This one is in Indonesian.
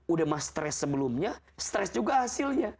udah mah stres sebelumnya stres juga hasilnya